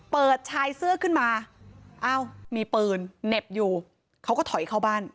เปิดชายเสื้อขึ้นมาอ้าวมีปืนเหน็บอยู่เขาก็ถอยเข้าบ้าน